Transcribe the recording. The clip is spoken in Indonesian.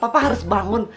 papa harus bangun